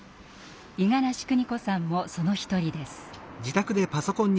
五十嵐訓子さんもその一人です。